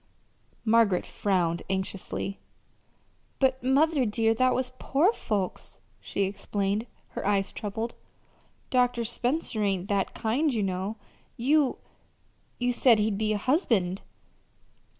Margaret frowned anxiously. "But, mother, dear, that was poor folks," she explained, her eyes troubled. "Dr. Spencer ain't that kind, you know. You you said he'd be a husband."